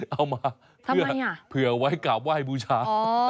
เอามาเผื่อไว้กล่าวไว้บูชา